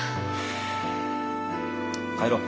帰ろう。